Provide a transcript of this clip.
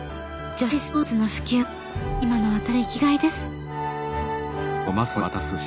女子スポーツの普及が今の私の生き甲斐です」。